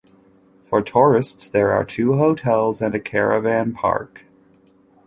For tourists, there are two hotels and a caravan park.